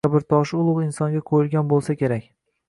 Qabrtoshi ulugʻ insonga qoʻyilgan boʻlsa kerak